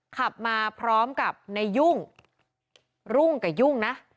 ขับมาพร้อมกับในยุ่งรุ่งกับยุ่งนะ